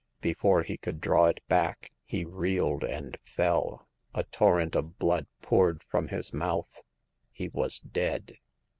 Before he could draw it back he reeled and fell ; a torrent of blood poured from his mouth. He was dead.